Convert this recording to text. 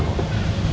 ya udah oke